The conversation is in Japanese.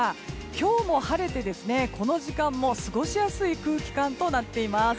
今日も晴れて、この時間も過ごしやすい空気感となっています。